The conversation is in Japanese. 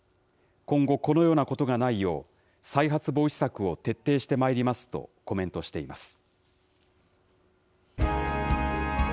今後このようなことがないよう、再発防止策を徹底してまいりますとコメントしています。